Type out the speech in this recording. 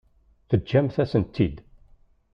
Teǧǧamt-asent-tt-id.